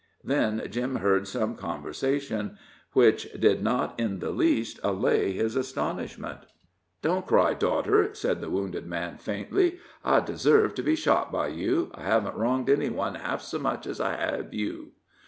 Then Jim heard some conversation which did not in the least allay his astonishment. "Don't cry, daughter," said the wounded man, faintly, "I deserve to be shot by you I haven't wronged any one else half so much as I have you."